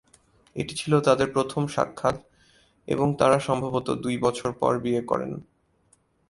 এটি ছিল তাদের প্রথম সাক্ষাৎ এবং তারা সম্ভবত দুই বছর পর বিয়ে করেন।